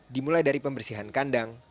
dimulai dari pembersihan kandang